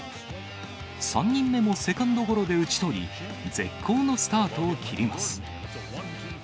３人目もセカンドゴロで打ち取り、絶好のスタートを切ります。